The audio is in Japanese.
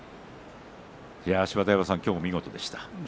芝田山さん、今日も見事でした。